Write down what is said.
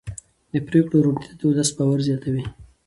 د پرېکړو روڼتیا د ولس باور زیاتوي